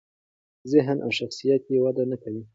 ذهن او شخصیت یې وده نکوي.